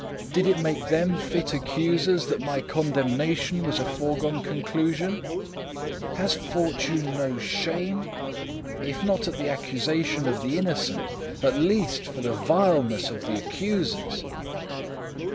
Did it make them fit accusers that my condemnation was a foregone conclusion? Has fortune no shame if not at the accusation of the innocent, at least for the vileness of the accusers?